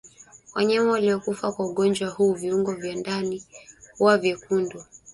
Wanyama waliokufa kwa ugonjwa huu viungo vya ndani huwa vywekundu